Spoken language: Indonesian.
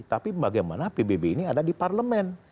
tapi bagaimana pbb ini ada di parlemen